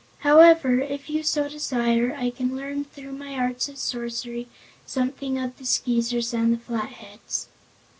However, if you so desire, I can learn through my arts of sorcery something of the Skeezers and the Flatheads."